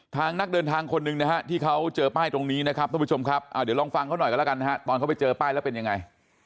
นักเดินทางคนหนึ่งนะฮะที่เขาเจอป้ายตรงนี้นะครับทุกผู้ชมครับเดี๋ยวลองฟังเขาหน่อยกันแล้วกันนะฮะตอนเขาไปเจอป้ายแล้วเป็นยังไง